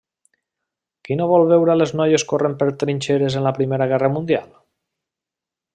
Qui no vol veure a noies corrent per trinxeres de la Primera Guerra Mundial?